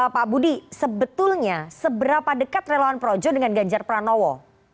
pak budi sebetulnya seberapa dekat relawan projo dengan ganjar pranowo